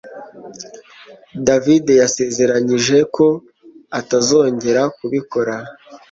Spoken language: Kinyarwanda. David yasezeranyije ko atazongera kubikora